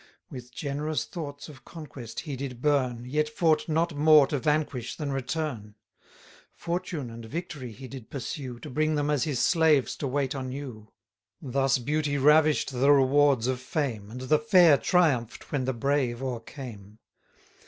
With generous thoughts of conquest he did burn, Yet fought not more to vanquish than return. Fortune and victory he did pursue, To bring them as his slaves to wait on you. Thus beauty ravish'd the rewards of fame, 40 And the fair triumph'd when the brave o'ercame.